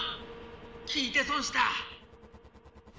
聞いてそんした！